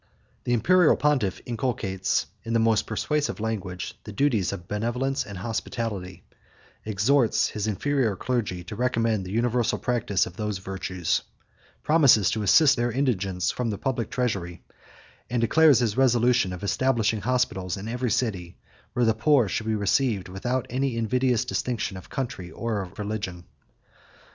The Imperial pontiff inculcates, in the most persuasive language, the duties of benevolence and hospitality; exhorts his inferior clergy to recommend the universal practice of those virtues; promises to assist their indigence from the public treasury; and declares his resolution of establishing hospitals in every city, where the poor should be received without any invidious distinction of country or of religion.